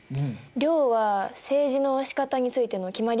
令は政治のしかたについての決まり？